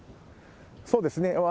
そうですね。